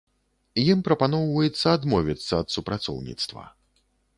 Ім прапаноўваецца адмовіцца ад супрацоўніцтва.